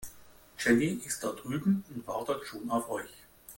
Jenny ist da drüben und wartet schon auf euch.